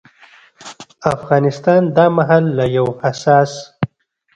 افغانستان دا مهال له يو حساس